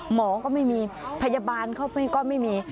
หมอก็ไม่มีพยาบาลก็ไม่มี